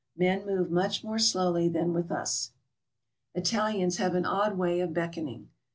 Men move much more slowly than with us." Italians have an odd way of beckoning.